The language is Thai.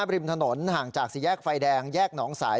ริมถนนห่างจากสี่แยกไฟแดงแยกหนองสาย